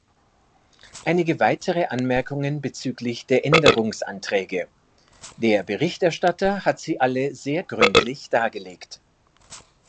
Einige weitere Anmerkungen bezüglich der Änderungsanträge: der Berichterstatter hat sie alle sehr gründlich dargelegt.